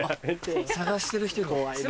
探してる人いる。